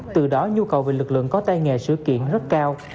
từ đó nhu cầu về lực lượng có tay nghề sửa kiển rất cao